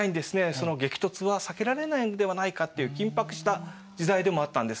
その激突は避けられないんではないかっていう緊迫した時代でもあったんです。